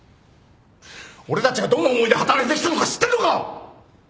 俺たちがどんな思いで働いてきたのか知ってんのか！？